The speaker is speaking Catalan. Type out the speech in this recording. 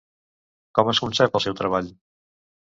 Com es concep el seu treball?